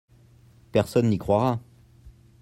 Personne n'y croira.